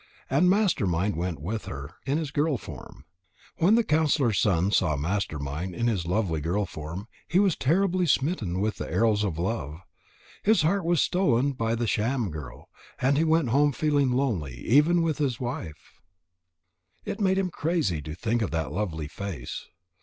And Master mind went with her in his girl form. When the counsellor's son saw Master mind in his lovely girl form, he was terribly smitten with the arrows of love. His heart was stolen by the sham girl, and he went home feeling lonely even with his wife. It made him crazy to think of that lovely face.